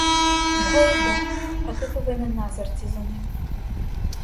Нехай іде, а ти повинен назирці за ним.